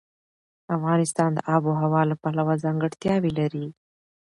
افغانستان د آب وهوا له پلوه ځانګړتیاوې لري.